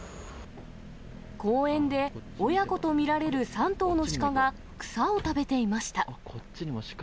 公園で、親子と見られる３頭のシカが、草を食べていました。